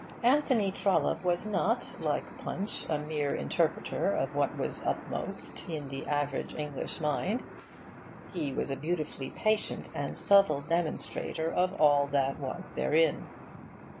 Anthony Trollope was not, like 'Punch,' a mere interpreter of what was upmost in the average English mind: he was a beautifully patient and subtle demonstrator of all that was therein.